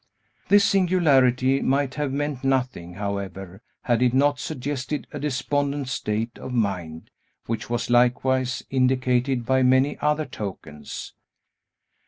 This singularity might have meant nothing, however, had it not suggested a despondent state of mind, which was likewise indicated by many other tokens.